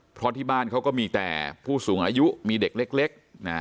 เพราะที่บ้านเขาก็มีแต่ผู้สูงอายุมีเด็กเล็ก